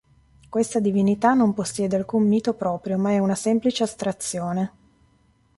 Questa divinità non possiede alcun mito proprio, ma è una semplice astrazione.